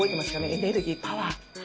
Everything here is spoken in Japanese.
エネルギーパワー。